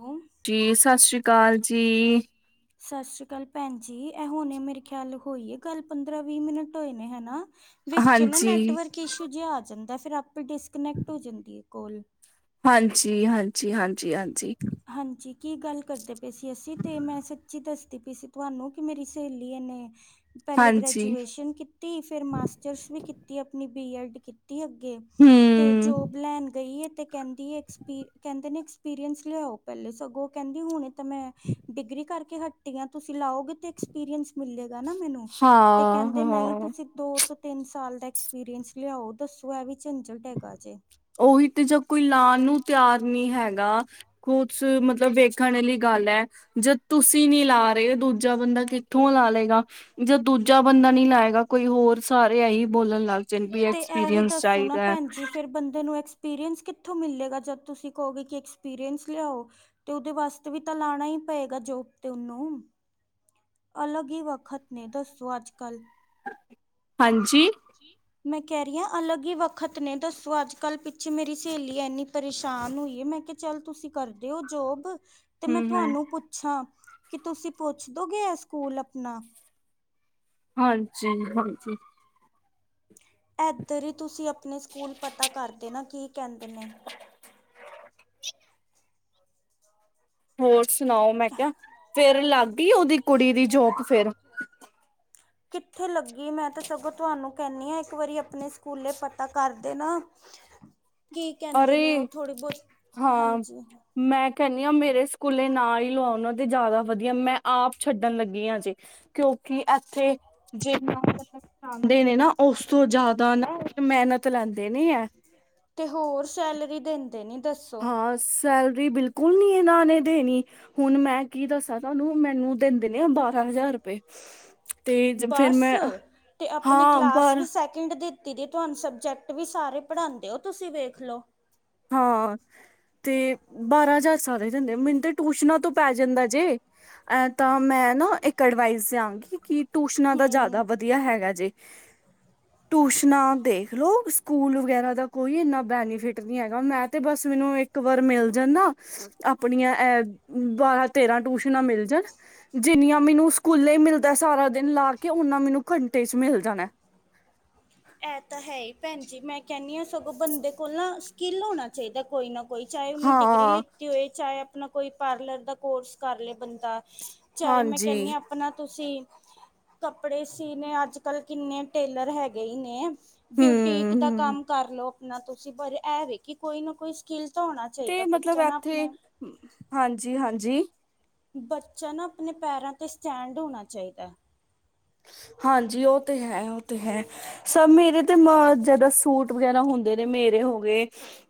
ਉਹ ਸਤਿ ਜੀ ਸਤਿ ਸ੍ਰੀ ਅਕਾਲ ਜੀ, ਸਤਿ ਸ਼੍ਰੀ ਅਕਾਲ ਭੈਣ ਜੀ ਇਹ ਹੁਣੇ ਮੇਰੇ ਖਿਆਲ ਹੋਈ ਹੈ, ਕੱਲ੍ਹ ਪੰਦਰਾਂ ਵੀਹ ਮਿੰਟ ਹੋਏ ਨੇ ਹੈ ਨਾ। ਵਿੱਚ ਨਾ ਹਾਂਜੀ ਨੈਟਵਰਕ ਇਸ਼ੂ ਜੇ ਆ ਜਾਂਦਾ। ਫਿਰ ਆਪ ਡਿਸਕਨੈਕਟ ਹੋ ਜਾਂਦੀ ਹੈ। ਕੋਲ ਹਾਂਜੀ-ਹਾਂਜੀ-ਹਾਂਜੀ-ਹਾਂਜੀ, ਹਾਂਜੀ ਕੀ ਗੱਲ ਕਰਦੇ ਪਏ ਸੀ, ਅਸੀਂ ਤੇ ਮੈਂ ਸੱਚੀ ਦੱਸਦੀ ਪਈ ਸੀ ਤੁਹਾਨੂੰ ਕਿ ਮੇਰੀ ਸਹੇਲੀ ਨੇ ਪਹਿਲੇ ਹਾਂਜੀ ਗ੍ਰੈਜੂਏਸ਼ਨ ਕੀਤੀ ਫਿਰ ਮਾਸਟਰਸ ਵੀ ਕੀਤੀ ਆਪਣੀ ਬੀ ਐੱਡ ਕੀਤੀ। ਅੱਗੇ ਤੇ ਹਮ ਜੋਬ ਲੈਣ ਗਈ ਐ। ਤੇ ਕਹਿੰਦੀ ਕਹਿੰਦੇ ਨੇ ਐਕਸਪੀਰੀਅੰਸ ਲਿਆਓ ਪਹਿਲੇ ਸਗੋਂ ਕਹਿੰਦੀ ਹੁਣ ਤਾਂ ਮੈਂ ਡਿਗਰੀ ਕਰਕੇ ਹ ਤੁਸੀਂ ਲਾਓਗੇ ਤੇ ਐਕਸਪੀਰੀਅਸ ਮਿਲੇ। ਨਾ ਮੈਨੂੰ ਹਾਂ ਤੇ ਕਹਿੰਦੇ ਨਹੀਂ ਹਾਂ ਤੁਸੀਂ ਦੋ ਤੋ ਤਿੰਨ ਸਾਲ ਦਾ ਐਕਸਪੀਰੀਅੰਸ ਲਿਆਓ ਦੱਸੋ ਇਹ ਵੀ ਝੰਜਟ ਹੈਗਾ ਜੇ ਉਹੀ ਤੇ ਜਾਂ ਕੋਈ ਲਾ ਨੂੰ ਤਿਆਰ ਨੀ ਹੈਗਾ ਕੁਛ ਮਤਲਬ ਵੇਖਣ ਵਾਲੀ ਗੱਲ ਹੈ ਜਦ ਤੁਸੀਂ ਨੀ ਲਾ ਰਹੇ ਦੂਜਾ ਬੰਦਾ ਕਿੱਥੋਂ ਲਾ ਲਏਗਾ ਜ ਦੂਜਾ ਬੰਦਾ ਨੀ ਲਾਏਗਾ ਕੋਈ ਹੋਰ ਸਾਰੇ ਐਹੀ ਬੋਲਣ ਲੱਗ ਜਾਦੇ ਵੀ ਐਕਸਪੀਰੀਅੰਸ ਚਾਹੀਦਾ ਹਾਂਜੀ ਫ਼ਿਰ ਬੰਦੇ ਨੂੰ ਐਕਸਪੀਰੀੰਸ ਕਿਥੋਂ ਮਿਲੇਗਾ ਜਦ ਤੁਸੀਂ ਕਹੋਗੇ ਕਿ ਐਕਸਪੀਰੀਸ ਲਿਆਓ ਤੇਓਦੇ ਵਾਸਤੇ ਵੀ ਤਾਂ ਲਾਣਾ ਹੀ ਪਏਗਾ ਜੋਬ ਤੇ ਓਨੂੰ ਅਲਗ ਹੀ ਵਖਤ ਨੇ ਦਸੋ ਅੱਜ ਕਲ ਹਾਂਜੀ ਜੀ ਮੈਂ ਕਹਿ ਰਹੀ ਹਾਂ ਅਲੱਗ ਹੀ ਵੱਖਤ ਨੇ ਦੱਸੋ ਅੱਜ ਕੱਲ੍ਹ ਪਿੱਛੇ ਮੇਰੀ ਸਹੇਲੀ ਇੰਨੀ ਪਰੇਸ਼ਾਨ ਹੋਈ ਹੈ ਮੈਂ ਕਿਹਾ ਚੱਲ ਤੁਸੀਂ ਕਰਦੇ ਹੋ ਜੋਬ ਤੇ ਮੈਂ ਹਮ ਹਮ ਤੁਹਾਨੂੰ ਪੁੱਛਾਂ ਕਿ ਤੁਸੀਂ ਪੁੱਛ ਦੋਗੇ ਹੈ ਸਕੂਲ ਆਪਣਾ ਹਾਂਜੀ ਹਾਂਜੀ ਇੱਧਰ ਹੀ ਤੁਸੀਂ ਆਪਣੇ ਸਕੂਲ ਪਤਾ ਕਰਦੇ ਨਾ ਕੀ ਕਹਿੰਦੇ ਨੇ ਹੋਰ ਸੁਣਾਓ ਮੈਂ ਕਿਹਾ ਫੇਰ ਲੱਗ ਗਈ ਉਹਦੀ ਕੁੜੀ ਦੀ ਜੋਕ ਫੇਿਰ ਕਿੱਥੇ ਲੱਗੀ ਮੈਂ ਤਾਂ ਸਗੋਂ ਤੁਹਾਨੂੰ ਕਹਿੰਦੀ ਹਾਂ ਇੱਕ ਵਾਰੀ ਆਪਣੇ ਸਕੂਲੇ ਪਤਾ ਕਰਦੇ ਨਾ ਕੀ ਕਹਿੰਦੇ ਅਰੇ ਨੇ ਉਹ ਥੋੜ੍ਹੀ ਬਹੁਤ ਹਾਂਜੀ ਕਹਿੰ ਆ ਮੇਰੇ ਸਕੂਲੇ ਨਾਲ ਹੀ ਲਵਾਉਣਾ ਤੇ ਜ਼ਿਆਦਾ ਵਧੀਆ ਮੈਂ ਆਪ ਛੱਡਣ ਲੱਗੀ ਹਾਂ ਜੇ ਕਿਉਂਕਿ ਇੱਥੇ ਜੇ ਦੇ ਨੇ ਨਾ ਉਸ ਤੋਂ ਜ਼ਿਆਦਾ ਨਾ ਮਿਹਨਤ ਲੈਂਦੇ ਨੇ ਹੈ ਤੇ ਹੋਰ ਸੈਲਰੀ ਦਿੰਦੇ ਨੇ ਹਾਂ ਸੈਲ ਬਿਲਕੁਲ ਨੀ ਇਹਨਾਂ ਨੇ ਦੇਣੀ ਹੁਣ ਮੈਂ ਕੀ ਦੱਸਾਂ ਤੁਹਾਨੂੰ ਮੈਨੂੰ ਦਿੰਦੇ ਨੇ ਆ ਬਾਰਾਂ ਹਜ਼ਾਰ ਰੁਪਏ ਤੇ ਫੇਰ ਬਸ ਮੈਂ ਤੇ ਆਪਣੀ ਹਾਂ ਕਲਾਸ ਪਰ ਵੀ ਸੈਕਿੰਡ ਦੇ ਦੀਦੀ ਤੁਹਾਨੂੰ ਸਬਜੈਕਟ ਵੀ ਸਾਰੇ ਪੜ੍ਹਾਉਂਦੇ ਹੋ ਤੁਸੀਂ ਵੇਖ ਲੋ ਹਾਂ ਤੇ ਬਾਰਾਂ ਹਜ਼ਾਰ ਸਾਲ ਜਾਂਦੇ ਮੈਨੂੰ ਤਾਂ ਟਊਸ਼ਨਾਂ ਤੋਂ ਪੈ ਜਾਂਦਾ ਜੇ ਐ ਤਾਂ ਮੈਂ ਨਾ ਇੱਕ ਅਡਵਾਈਸ ਦਿਆਂਗੀ ਕਿ ਟੂਸ਼ਨਾਂ ਦਾ ਜ਼ਿਆਦਾ ਹਮ ਵਧੀਆ ਹੈਗਾ ਜੇ ਟੂਸ਼ਨਾਂ ਦੇਖਲੋ ਸਕੂਲ ਵਗੈਰਾ ਦਾ ਕੋਈ ਇੰਨਾ ਬੈਨੀਫਿਟ ਨੀ ਹੈਗਾ ਮੈਂ ਤੇ ਬਸ ਮੈਨੂੰ ਇੱਕ ਵਾਰ ਮਿਲ ਜਾਣ ਨਾ ਆਪਣੀਆਂ ਬਾਰਾਂ ਤੇਰਾਂ ਟੂਸ਼ਨਾਂ ਮਿਲ ਜਾਣ, ਜਿੰਨੀਆਂ ਮੈਨੂੰ ਸਕੂਲੇ ਹੀ ਮਿਲਦਾ ਸਾਰਾ ਦਿਨ ਲਾ ਕੇ ਓਨਾ ਮੈਨੂੰ ਘੰਟੇ ਚ ਮਿਲ ਜਾਣਾ। ਇਹ ਤਾਂ ਹੈ ਹੀ ਭੈਣ ਜ ਮੈਂ ਕਹਿੰਦੀ ਹਾਂ ਸਗੋਂ ਬੰਦੇ ਕੋਲ ਨਾ ਸਕਿੱਲ ਹੋਣਾ ਚਾਹੀਦਾ ਕੋਈ ਨਾ ਕੋਈ ਚਾਹੇ ਉਹਨੇ ਡਿਗਰੀ ਹਾਂ ਲਿੱਤੀ ਹੋਏ ਚਾਹੇ ਆਪ ਆਪਣਾ ਕੋਈ ਪਾਰਲਰ ਦਾ ਕੋਰਸ ਕਰ ਲਏ ਬੰਦਾ ਚਾਹੇ ਮੈਂ ਹਾਂਜੀ ਕਹਿੰਨੀ ਹਾਂ ਆਪਣਾ ਤੁਸੀਂ ਕੱਪੜੇ ਸੀਣੇ ਅੱਜ- ਕੱਲ੍ਹ ਕਿੰਨੇ ਟੇਲਰ ਹੈਗੇ ਹੀ ਨੇ। ਏ ਐਮ ਹੂੰ ਬਿਊਟੀਕ ਦਾ ਹੂੰ ਕੰਮ ਕਰਲੋ। ਨਾ ਤੁਸੀਂ ਬਰੇ ਐਵੇ ਕਿ ਕੋਈ ਨਾ ਕੋਈ ਸਕਿੱਲ ਤਾਂ ਹੋਣਾ ਤੇ ਚਾਹੀਦਾ ਮਤਲਬ ਬੱਚਾ ਨਾ ਇਥੇ ਆਪਣੇ ਹਾਂਜੀ- ਹਾਂਜੀ। ਬੱਚਾ ਨਾ ਆਪਣੇ ਪੈਰਾਂ ਤੇ ਸਟੈਂਡ ਹੋਣਾ ਚਾਹੀਦਾ। ਹਾਂਜੀ ਉਹ ਤੇ ਹੈ ਉਹ ਤੇ ਹੈ ਸ ਮੇਰੇ ਤੇ ਮ ਜਦ ਸੂਟ ਵਗੈਰਾ ਹੁੰਦੇ ਨੇ ਮੇਰੇ ਹੋ ਗਏ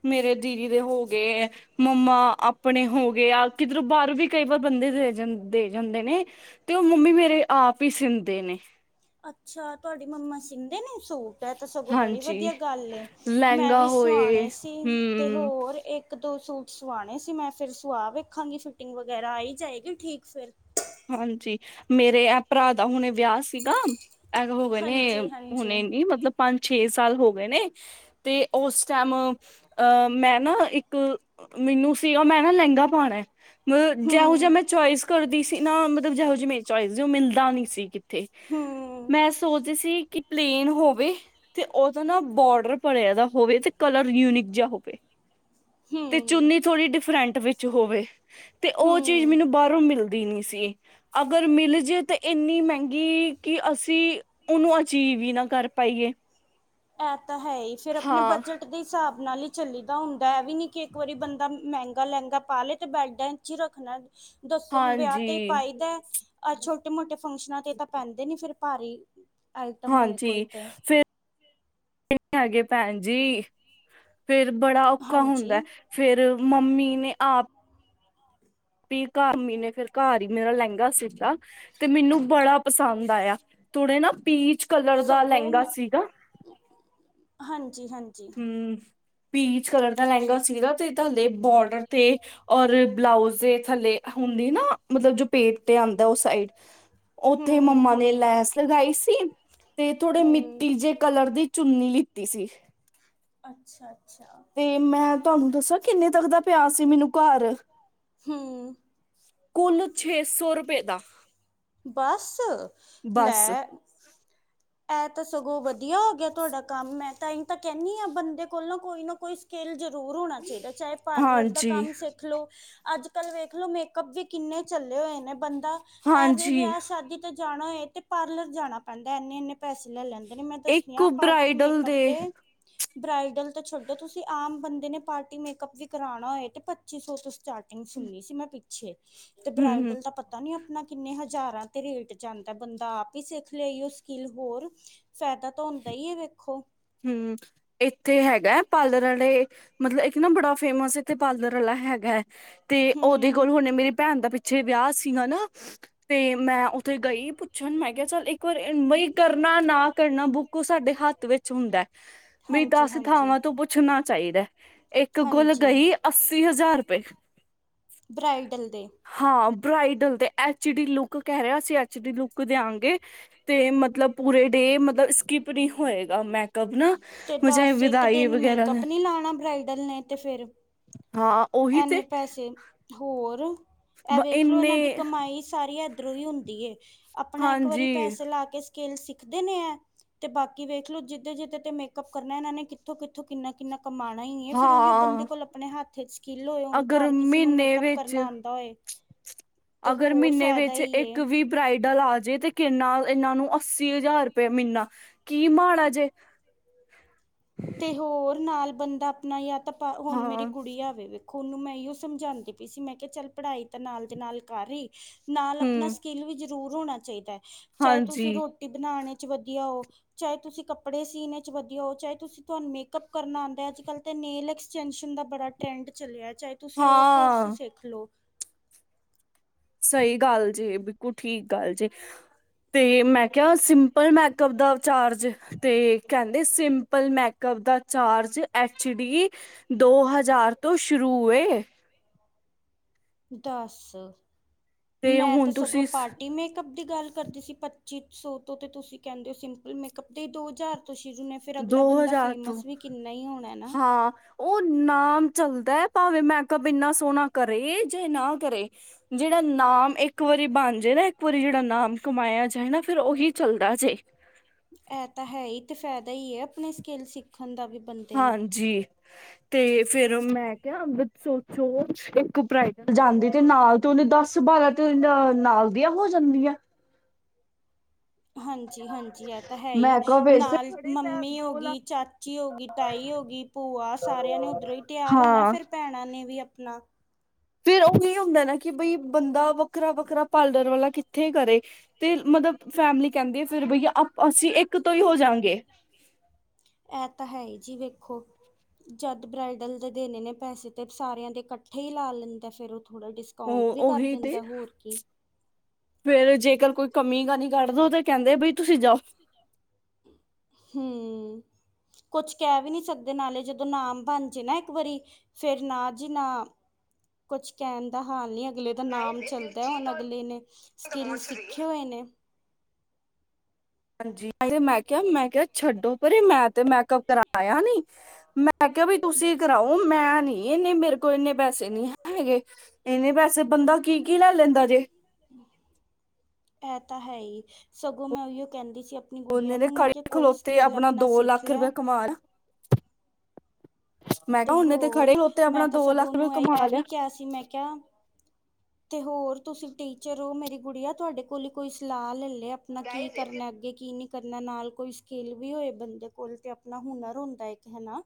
ਮੇਰੇ ਦੀਦੀ ਦੇ ਹੋ ਗਏ ਮੰਮਾ ਆਪਣੇ ਹੋ ਗਏ ਆ ਕਿਧਰ ਬਾਹਰੋਂ ਵੀ ਕਈ ਵਾਰ ਬੰਦੇ ਦੇ ਦੇ ਜਾਂਦੇ ਨੇ ਤੇ ਉਹ ਮੰਮੀ ਮੇਰੇ ਆਪ ਹੀ ਸੀਦੇਂ ਦੇਣੇ ਅੱਛਾ ਤੁਹਾਡੀ ਮੰਮਾ ਸੀਂਦੇ ਨੇ ਸੂ ਤਾਂ ਸਗੋਂ ਬੜੀ ਹਾਂਜੀ ਵਧੀਆ ਗੱਲ ਏ ਮੈਂ ਲਹਿੰਗਾ ਵੀ ਹੋਏ ਸੁਆਣੇ ਸੀ ਤੇ ਹਮ ਹੋਰ ਇੱਕ ਦੋ ਸੂਟ ਸੁਵਾਣੇ ਸੀ ਮੈਂ ਫਿਰ ਸੁਵਾ ਵੇਖਾਂਗੀ, ਫਿਟਿੰਗ ਵਗੈਰਾ ਆਈ ਜਾਏਗੀ ਠੀਕ ਫਿਰ ਹਾਂਜੀ ਮੇਰੇ ਭਰਾ ਦਾ ਹੁਣੇ ਵਿਆਹ ਸੀਗਾ ਐ ਹੋ ਗਏ ਨੇ ਹਾਂਜੀ ਹਾਂਜੀ ਹੁਣੇ ਨੀ ਮਤਲਬ ਪੰਜ ਛੇ ਸਾਲ ਹੋ ਗਏ ਨੇ ਤੇ ਉਸ ਟਾਈਮ ਅਹ ਮੈਂ ਨਾ ਇੱਕ ਮੈਨੂੰ ਸੀਗਾ ਮੈਂ ਨਾ ਲਹਿੰਗਾ ਪਾਣਾ ਮਤਲਬ ਜਿਉ ਜਿਹਾ ਹੂੰ ਮੈਂ ਚੋਇਸ ਕਰਦੀ ਸੀ। ਨਾ ਮਤਲਬ ਜਿਹੋ ਜਿਹੀ ਮੇਰੀ ਚੋਇਸ ਸੀ ਉਹ ਮਿਲਦਾ ਨੀ ਸੀ। ਤੇ ਹੂੰ ਮੈਂ ਸੋਚਦੀ ਸੀ ਕਿ ਪਲੇਨ ਹੋਵੇ ਤੇ ਓਦਾ ਨਾ ਬੋਡਰ ਭਰਿਆ ਦਾ ਹੋਵੇ ਤੇ ਕਲਰ ਯੂਨਿਕ ਜਾ ਹੋਵੇ। ਤੇ ਹੂੰ ਚੁੰਨੀ ਥੋੜ੍ਹੀ ਡਿਫਰੈਂਟ ਵਿੱਚ ਹੋਵੇ ਤੇ ਉਹ ਚੀਜ਼ ਹੂੰ ਮੈਨੂੰ ਬਾਹਰੋਂ ਮਿਲ ਸੀ ਅਗਰ ਮਿਲ ਜੇ ਤੇ ਇੰਨੀ ਮਹਿੰਗੀ ਕਿ ਅਸੀਂ ਓਨੂੰ ਅਚੀਵ ਹੀ ਨਾ ਕਰ ਪਾਈਏ। ਐ ਤਾਂ ਹੈ ਹੀ ਫੇਰ ਆਪਣੇ ਹਾਂ, ਬਜਟ ਦੇ ਹਿਸਾਬ ਨਾਲ ਹੀ ਚੱਲੀ ਦਾ ਹੁੰਦਾ ਇਹ ਵੀ ਨੀ ਕਿ ਇੱਕ ਵਾਰੀ ਬੰਦਾ ਮਹਿੰਗਾ ਲਹਿੰਗਾ ਪਾ ਲਏ ਤੇ ਬੈਡਾਂ ਚ ਹੀ ਰੱਖਣਾ। ਦੱਸੋ ਹੁਣ ਵਿਆਹ ਤੇ ਹੀ ਹਾਂਜੀ। ਪਾਈਦਾ ਆਹ ਛੋਟੇ ਮੋਟੇ ਫੰਕਸ਼ਨਾਂ ਤੇ ਤਾਂ ਪੈਂਦੇ ਨੀ ਫਿਰ ਭਾਰੀ ਆਈਟਮ ਹੋਏ ਕੋਈ ਹਾਂਜੀ ਤੇ ਫਿਰ ਨਈ ਹੈਗੇ ਭੈਣ ਜੀ ਫੇਰ ਬੜਾ ਔਖਾ ਹਾਂਜੀ ਹੁੰਦਾ ਫੇਰ ਮੰਮੀ ਨੇ ਆਪ ਮੰਮੀ ਨੇ ਫਿਰ ਘਰ ਹੀ ਮੇਰਾ ਲਹਿੰਗਾ ਸੀਤਾ ਤੇ ਮੈਨੂੰ ਬੜਾ ਪਸੰਦ ਆਇਆ ਥੋੜੇ ਨਾ ਪੀਚ ਕਲਰ ਦਾ ਸਗੋਂ ਲਹਿੰਗਾ ਮੈਂ ਸੀਗਾ ਜੀ ਹਾਂਜੀ ਹਮ ਪੀਚ ਕਲਰ ਦਾ ਲਹਿੰਗਾ ਸੀਗਾ ਤੁਹਾ ਬੋਰਡਰ ਤੇ ਔਰ ਬਲਾਊਜ ਦੇ ਥੱਲੇ ਹੁੰਦੀ ਨਾ ਮਤਲਬ ਜੋ ਪੇਟ ਤੇ ਆਂ ਉਹ ਸਾਈਡ ਹੂੰ ਉੱਥੇ ਮੰਮਾ ਨੇ ਹੂੰ ਲੈਸ ਲਗਾਈ ਸੀ ਤੇ ਥੋੜੇ ਹੂੰ ਮਿੱਟੀ ਜਿਹੇ ਕਲਰ ਦੀ ਚੁੰਨੀ ਲ ਤੀਸੀ ਅੱਛਾ ਅੱਛਾ ਤੇ ਮੈਂ ਤੁਹਾਨੂੰ ਦੱਸਾਂ ਕਿ ਕਿੰਨੇ ਤਕ ਦਾ ਪਿਆ ਸੀ ਮੈਨੂੰ ਘਰ ਹੂੰ ਕੁੱਲ ਛੇ ਸੌ ਰੁਪਏ ਦਾ ਬਸ ਬਸ ਐ ਤਾਂ ਸਗੋਂ ਵਧੀਆ ਹੋ ਗਿਆ ਤੁਹਾਡਾ ਕੰਮ ਮੈਂ ਤਾਂਹੀ ਤਾਂ ਕਹਿੰਨੀ ਆ ਬੰਦੇ ਕੋਲ ਨਾ ਕੋਈ ਨਾ ਕੋਈ ਸਕਿੱਲ ਜ ਹੋਰ ਹੋਣਾ ਚਾਹੀਦਾ ਚਾਹੇ ਪਾਰਲਰ ਦਾ ਹਾਂਜੀ ਕੰਮ ਸਿੱਖ ਲਓ ਅੱਜ ਕੱਲ ਵੇਖਲੋ ਮੇਕਅਪ ਵੀ ਕਿੰਨੇ ਚੱਲੇ ਹੋਏ ਨੇ ਬੰਦਾ ਐਵੇ ਹਾਂਜੀ ਵਿਆਹ ਸ਼ਾਦੀ ਤੇ ਜਾਣਾਏ ਤੇ ਪਾਰਲਰ ਜਾਣਾ ਪੈਂਦਾ ਇੰਨੇ ਇੰਨੇ ਪੈਸ ਲੈ ਲੈੈਂਦੇ ਨੇ ਮੈਂ ਦੱਸਣੀ ਇੱਕ ਆ ਪਾਰਟੀ ਬਰਾਈਡਲ ਮੇਕਅੱਪ ਦੇ ਤੇ ਬਰਾਈਡਲ ਤਾਂ ਛੱਡੋ ਤੁਸੀਂ ਆਮ ਬੰਦੇ ਨੇ ਪਾਰਟੀ ਮੇਕਅੱਪ ਵੀ ਕਰਾਉਣਾ ਹੋਏ ਤੇ ਪੱਚੀ ਸੌ ਤੁਸ ਸਟਾਰਟਿੰਗ ਸੁਣਨੀ ਸੀ ਮੈਂ ਛੇ ਤੇ ਹਮ ਬਰਾਈਡਲ ਦਾ ਪਤਾ ਨੀ ਕਿੰਨੇ ਹਜ਼ਾਰਾਂ ਤੇ ਰੇਟ ਜਾਂਦੈ ਬੰਦਾ ਆਪ ਹੀ ਸਿੱਖ ਲੇ ਅਹੀਉ ਸਕਿੱਲ ਹੋਰ ਫਾਇਦਾ ਤਾਂ ਹੁੰਦਾ ਹੀ ਹੈ ਵੇਖੋ ਹਮ ਇੱਥੇ ਹੈਗ ਗੈ ਪਾਲਰ ਆਲੇ ਮਤਲਬ ਇੱਕ ਨਾ ਬੜਾ ਫੇਮਸ ਇੱਥੇ ਪਾਰਲਰ ਵਾਲਾ ਹੈਗਾ ਤੇ ਉਹਦੇ ਕੋਲ ਹੂੰ ਹੁਣੇ ਮੇਰੀ ਭੈਣ ਦਾ ਪਿੱ ਛੇ ਵਿਆਹ ਸੀਗਾ ਨਾ ਤੇ ਮੈਂ ਉੱਥੇ ਗਈ ਪੁੱਛਣ ਮੈਂ ਕਿਹਾ ਚਲ ਇੱਕ ਵਾਰਈ ਬਈ ਕਰਨਾ ਨਾ ਕਰਨਾ ਬੁੱਕ ਉਹ ਸਾਡੇ ਹੱਥ ਵਿੱਚ ਚ ਹੁੰਦੈ ਵੀ ਹਾਂਜੀ ਦਸ ਹਾਂਜੀ ਥਾਵਾਂ ਤੋਂ ਪੁੱਛਣਾ ਚਾਹੀਦੈ। ਇੱਕ ਕੋਲ ਹਾਂਜੀ ਗਈ ਅੱਸੀ ਹਜ਼ਾਰ ਰੁਪਏ ਬਰਾਈਡਲ ਦੇ ਹਾਂ ਬਰਾਈਡਲ ਤੇ ਐਚ ਡੀ ਲੁੱਕ ਕਹਿ ਰਿਹਾ ਸੀ ਐਚ ਡੀ ਲੁੱਕ ਦੇਆਂਗੇ ਤੇ ਮਤਲਬ ਪੂਰੇ ਡੇ ਮਤਲਬ ਸਕਿਪ ਨਹੀਂ ਹੋਏਗਾ। ਮੇਕ ਅੱਪ ਨਾ ਤੇ ਚਾਹੇ ਦੱਸ ਇੱਕ ਵਿਦਾਈ ਦਿਨ ਵਗੈਰਾ ਮੇਕਅੱਪ ਨੀ ਲਾਉਣਾ ਬਰਾਈਡਲ ਨੇ ਤੇ ਫਿਰ ਹਾਂ ਉਹੀ ਐਨੇ ਤੇ ਪੈਸੇ ਹੋਰ ਐ ਮ- ਵੇਖਲੋ ਇੰਨੇ ਇਹਨਾਂ ਦੀ ਕਮਾਈ ਸਾਰੀ ਰੂਈ ਹੁੰਦੀ ਹੈ। ਆਪਣਾ ਇੱਕ ਵਾਰੀ ਹਾਂਜੀ ਪੈਸੇ ਲਾ ਕੇ ਸਕਿਲੇ ਸਿੱਖਦੇ ਨੇ ਹੈ ਤੇ ਬਾਕੀ ਵੇਖਲੋ ਜਿੱਦ ਜਿੱਦੇ ਤੇ ਮੇਕਅੱਪ ਕਰਨਾ ਇਹਨਾਂ ਨੇ ਕਿੱਥੋਂ ਕਿੱਥੋਂ ਕਿੰਨਾ ਕਿੰਨਾ ਕਮਾਉਣਾ ਹੀ ਹੈ ਫਿਰ ਉਹੀ ਬੰਦੇ ਹਾਂ ਕੋਲ ਆਪਣੇ ਹੱਥ 'ਚ ਸਕਿੱਲ ਹੋਏ ਤਾਂ ਅਗਰ ਘਰ ਕਿਸੇ ਨੂੰ ਮਹੀਨੇ ਮੇਕਅੱਪ ਵਿੱਚ ਕਰਨਾ ਆਉਂਦਾ ਹੋਏ ਤੇ ਅਗਰ ਹੋਰ ਮਹੀਨੇ ਫਾਇਦਾ ਵਿਚ ਹੀ ਏ ਇੱਕ ਵੀ ਬ੍ਰਈਡਲ ਆਜੇ ਤੇ ਕਿੰਨਾ ਇਹਨਾਂ ਨੂੰ ਅੱਸੀ ਹਜ਼ਾਰ ਰੁਪਏ ਮਹੀਨਾ ਕੀ ਮਾੜਾ ਜੇ ਤੇ ਹੋਰ ਨਾਲ ਬੰਦਾ ਆਪਣਾ ਜਾਂ ਤਾਂ ਹੁਣ ਮੇਰੀ ਹਾਂ ਗੁੜੀ ਆਵੇ ਉਹਨੂੰ ਮੈਂ ਇਹੋ ਸਮਝਾਉਂਦੀ ਪਈ ਸੀ ਮੈਂ ਕਿਹਾ ਚੱਲ ਪੜ੍ਹਾਈ ਤਾਂ ਨਾਲ ਦੇ ਨਾਲ ਕਰ ਰਹੀ ਨਾਲ ਆਪਣਾ ਹੂੰ ਸਕਿੱਲ ਵੀ ਜ਼ਰੂਰ ਹੋਣਾ ਚਾਹੀਦਾ ਹੈ। ਚਾਹੇ ਤੁਸੀਂ ਹਾਂਜੀ ਰੋਟੀ ਬਣਾਉਣੇ ਚ ਵਧੀਆ ਹੋ ਚਾਹੇ ਤੁਸੀਂ ਕੱਪੜੇ ਸੀਨ ਚ ਵਧੀਆ ਹੋ ਚਾਹੇ ਤੁਸੀਂ ਤੁਹਾਨੂੰ ਮੇਕਅਪ ਕਰਨਾ ਆਉਂਦਾ ਅੱਜ ਕਲ ਤੇ ਨੇਲਕਸਟੈਂਸ਼ਨ ਦਾ ਬੜਾ ਟਰੈਂਡ ਚਲਿਆ ਚਾਹੇ ਤੁਸੀਂ ਉਹ ਕੋਰਸ ਹਾਂ ਸਿੱਖ ਲਓ ਸਹੀ ਗੱਲ ਜੀ ਬਿਲਕੁਲ ਠੀਕ ਗੱਲ ਜੀ। ਤੇ ਮੈਂ ਕਿਹਾ ਸਿੰਪਲ ਮੇਕਅਪ ਦਾ ਚਾਰਜ ਤੇ ਕਹਿੰਦੇ ਸਿੰਪਲ ਮੇਕਅਪ ਦਾ ਚਾਰਜ ਐਚ ਡੀ ਦੋ ਹਜ਼ਾਰ ਤੋਂ ਸ਼ੁਰੂ ਏ। ਦਸ। ਤੇ ਮੈਂ ਤਾਂ ਹੁਣ ਸਗੋਂ ਤੁਸੀਂ ਪਾਰਟੀ ਮੇਕਅੱਪ ਦੀ ਗੱਲ ਕਰਦੇ ਸੀ ਪੱਚੀ ਸੌ ਤੋਂ ਤੇ ਤੁਸੀਂ ਕਹਿੰਦੇ ਹੋ ਸਿੰਪਲ ਮੇਕਅੱਪ ਦੇ ਹੀ ਦੋ ਹਜ਼ਾਰ ਤੋਂ ਸ਼ੁਰੂ ਨੇ ਫਿਰ ਦੋ ਅਗਲਾ ਬੰਦਾ ਹਜ਼ਾਰ ਤੋਂ ਫੇਮਸ ਵੀ ਕਿੰਨਾ ਹੀ ਹੋਣਾ ਨਾ ਹਾਂ ਉਹ ਨਾਮ ਚੱਲਦਾ ਭਾਵੇਂ ਮੈਕਅਪ ਇੰਨਾ ਸੋਹਣਾ ਕਰੇ ਜਾਂ ਨਾ ਕਰੇ ਜਿਹੜਾ ਨਾਮ ਇੱਕ ਵਾਰੀ ਬਣ ਜੇ ਨਾ ਇੱਕ ਵਾਰੀ ਜਿਹੜਾ ਨਾਮ ਕਮਾਇਆ ਜਾਏ ਨਾ ਫਿਰ ਉਹੀ ਚੱਲਦਾ ਜੇ। ਇਹ ਤਾਂ ਹੈ ਹੀ ਤੇ ਫਾਇਦਾ ਹੀ ਹੈ ਆਪਣੇ ਸਕਿੱਲ ਸਿੱਖੋ। ਖੰਦਾ ਵੀ ਬਣਦੇ ਨੂੰ ਹਾਂਜੀ ਤੇ ਫੇਰ ਮੈਂ ਕਿਹਾ ਅੰਮ੍ਰਿਤ ਸੋਚੋ ਇੱਕ ਬ੍ਰਈਡਲ ਜਾਂਦੀ ਤੇ ਨਾਲ ਤੇ ਓਹਦੇ ਦਸ ਬਾਰਾਂ ਤੇ ਨਾਲ ਦੀਆ ਹੋ ਜਾਂਦੀ ਆ। ਹਾਂਜੀ-ਹਾਂਜੀ ਇਹ ਤਾਂ ਹੈ ਹੀ ਮੈਂ ਕਿਹਾ ਵੈਸੇ ਨਾਲ ਖੜੇ ਪੈਰ ਮੰਮੀ ਹੋ ਦੋ ਗਈ ਲੱਖ ਚਾਚੀ ਹੋ ਗਈ ਤਾਈ ਹੋ ਗਈ ਭੂਆ ਸਾਰਿਆਂ ਨੇ ਉੱਧਰੋਂ ਹੀ ਤਿਆਰ ਹੋਣਾ ਹਾਂ ਫਿਰ ਭੈਣਾਂ ਨੇ ਵੀ ਆਪਣਾ, ਫੇਰ ਉਹ ਕੀ ਹੁੰਦਾ ਨਾ ਕਿ ਬਈ ਬੰਦਾ ਵੱਖਰਾ-ਵੱਖਰਾ ਪਾਲਰ ਵਾਲਾ ਇੱਥੇ ਕਰੇ ਤੇ ਮਤਲਬ ਫੈਮਿਲੀ ਕਹਿੰਦੇ ਆ ਫੇਰ ਬਈਆ ਅਸੀਂ ਇੱਕ ਇੱਕ ਤੋਂ ਹੀ ਹੋ ਜਾਂਗੇ, ਇਹ ਤਾਂ ਹੈ ਹੀ ਜੀ ਵੇਖੋ ਜਦ ਬਰਾਈਡਲ ਦੇ ਦੇਣੇ ਨੇ ਪੈਸੇ ਤੇ ਸਾਰਿਆਂ ਦੇ ਇਕੱਠੇ ਹੀ ਲਾ ਲੈਂਦਾ ਫਿਰ ਔ, ਉਹ ਉਹੀ ਤੇ ਕੀ ਫੇਰ ਜੇਕਰ ਕੋਈ ਕਮੀਆ ਨਹੀ ਕੱਢੇਗਾ। ਦੋ ਤੇ ਕਹਿੰਦੇ ਬਈ ਤੁਸੀਂ ਜਾਓ। ਹੂੰ, ਕੁਛ ਕਹਿ ਵੀ ਨੀ ਸਕਦੇ ਨਾਲੇ ਜਦੋਂ ਨਾਮ ਬਣਜੇ ਨਾ ਇੱਕ ਵਾਰੀ ਫੇਰ ਨਾ ਜੀ ਨਾ ਕੁਛ ਕਹਿਣ ਦਾ ਹਾਲ ਨੀ ਅਗਲੇ ਦਾ ਨਾਮ ਚੱਲਦਾ ਹੁਣ ਅਗਲੇ ਨੇ ਸਕਿਲ ਸਿੱਖੇ ਹੋਏ ਨੇ, ਹਾਂਜੀ ਮੈਂ ਕਿਹਾ ਮੈਂ ਕਿਹਾ ਛੱਡੋ ਪਰੇ ਮੈਂ ਤੇ ਮੈਕਅਪ ਕਰਾਇਆ ਨੀ ਮੈਂ ਕਰਾਓ ਵੀ ਤੁਸੀਂ ਕਰਾਓ ਮੈਂ ਨਹੀਂ ਇੰਨੇ ਮੇਰੇ ਕੋਲ ਇੰਨੇ ਪੈਸੇ ਨੀ ਹੈਗੇ ਇੰਨੇ ਪੈਸੇ ਬੰਦਾ ਕੀ ਕੀ ਲੈ ਲੈਂਦਾ ਜੇ, ਇਹ ਤਾਂ ਹੈ ਹੀ ਸਗੋਂ ਮੈਂ ਉਹੀਓ ਕਹਿੰਦੀ, ਸੀ ਆਪਣੀ ਗੁੜੀਆਂ ਔਨੇ ਨੇ ਨੂੰ ਮੈਂ ਖੜੇ ਕਿਹਾ ਕੋਈ ਖਲੋਤੇ ਸਕਿੱਲ ਆਪਣਾ ਦੋ ਸਿੱਖ ਲੱਖ ਲੈ ਰੁਪਏ ਕਮਾ ਮੈਂ ਤੇ ਕਿਹਾ ਉਹਨੇ ਖੜੇ ਹੋਰ ਖਲੋਤੇ ਮੈਂ ਆਪਣਾ ਤਾਂ ਦੋ ਸਗੋਂ ਲੱਖ ਰੁਪਇਆ ਉਹਨੂੰ ਕਮਾ ਇਹ ਲਿਆ ਵੀ ਕਿਹਾ ਸੀ ਮੈਂ ਕਿਹਾ ਤੇ ਹੋਰ ਤੁਸੀਂ ਟੀਚਰ ਹੋ ਮੇਰੀ ਗੁੜੀਆ ਤੁਹਾਡੇ ਕੋਲ ਹੀ ਕੋਈ ਸਲਾਹ ਲੈ ਲਏ ਆਪਣਾ ਕੀ ਕਰਨਾ ਅੱਗੇ ਕੀ ਨੀ ਕਰਨਾ ਨਾਲ ਕੋਈ ਸਕਿੱਲ ਵੀ ਹੋਏ ਬੰਦੇ ਕੋਲ ਤੇ ਆਪਣਾ ਹੁਨਰ ਹੁੰਦਾ ਇੱਕ ਹਨਾ।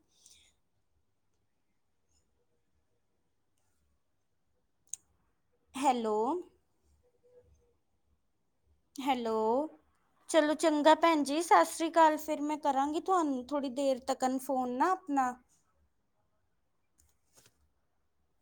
ਹੈਲੋ, ਹੈਲੋ, ਚਲੋ ਚੰਗਾ ਭੈਣ ਜੀ ਸਤਿ ਸ੍ਰੀ ਅਕਾਲ ਫਿਰ ਮੈਂ ਕਰਾਂਗੀ ਤੁਹਾਨੂੰ ਥੋੜ੍ਹੀ ਦੇਰ ਤੱਕਨ ਫੋਨ ਨਾ ਆਪਣਾ